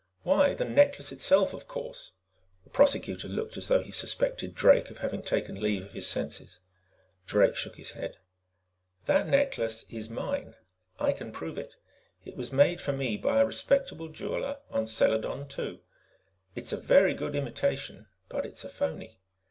"Why, the necklace itself, of course!" The Prosecutor looked as though he suspected Drake of having taken leave of his senses. Drake shook his head. "That necklace is mine. I can prove it. It was made for me by a respectable jeweler on Seladon II. It's a very good imitation, but it's a phoney.